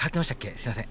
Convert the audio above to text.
すいません